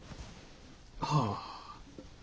はあ。